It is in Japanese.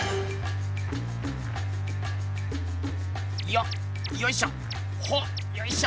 よっよいしょ！